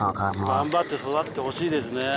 頑張って育ってほしいですね。